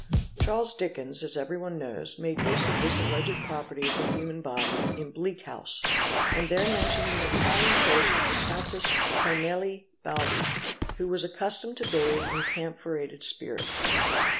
Charles Dickens, as everyone knows, made use of this alleged property of the human body in " Bleak House "' and there mentioned the Italian Case of the Countess Carnellia Baudi (recorded by Bianchini), who was accustomed to bathe in camphorated spirits.